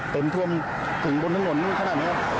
เต็มทวมถึงบนด้านหล่น